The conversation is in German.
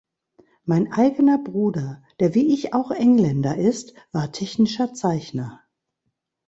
Mein eigener Bruder, der wie ich auch Engländer ist, war technischer Zeichner.